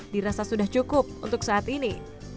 dirasa sudah cukup untuk saat ini